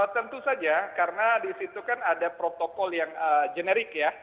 tentu saja karena di situ kan ada protokol yang generik ya